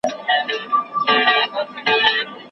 وایم ګوندي چي پناه سم